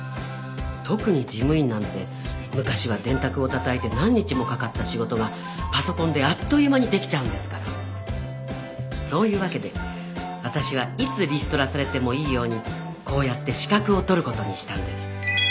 特に事務員なんて昔は電卓をたたいて何日もかかった仕事がパソコンであっという間にできちゃうんですからそういうわけで私はいつリストラされてもいいようにこうやって資格を取ることにしたんです